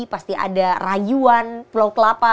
pasti ada rayuan pulau kelapa